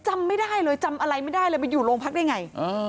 จำไม่ได้เลยจำอะไรไม่ได้เลยมาอยู่โรงพักได้ไง